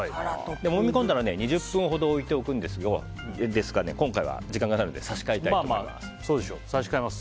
もみ込んだら、２０分ほど置いておくんですが今回は時間がないので差し替えます。